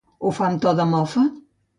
Ho fa amb to de mofa?